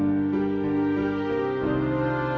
dengan bekerja yo yo di kuling